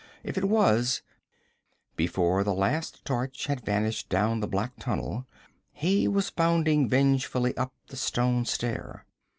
If it was Before the last torch had vanished down the black tunnel he was bounding vengefully up the stone stair.